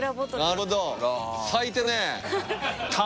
なるほどね。